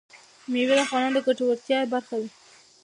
مېوې د افغانانو د ګټورتیا برخه ده.